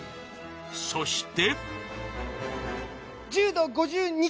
そして。